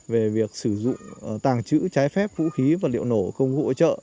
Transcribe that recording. về việc sử dụng tàng trữ trái phép vũ khí vật liệu nổ công cụ hỗ trợ